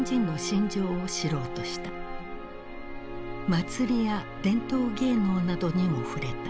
祭りや伝統芸能などにも触れた。